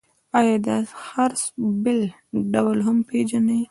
آیا د څرخ بل ډول هم پیژنئ؟